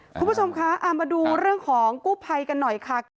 คุณผู้ชมคะเอามาดูเรื่องของกู้ภัยกันหน่อยค่ะ